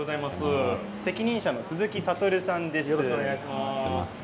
責任者の鈴木悟さんです。